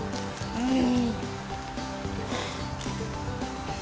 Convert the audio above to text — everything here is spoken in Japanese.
うん！